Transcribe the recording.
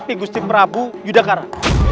jadi gusti prabu yudhakara